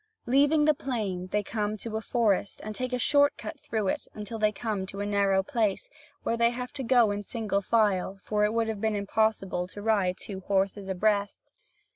Leaving the plain, they come to a forest and take a short cut through it until they come to a narrow place, where they have to go in single file; for it would have been impossible to ride two horses abreast.